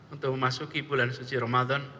untuk memasuki bulan suci ramadan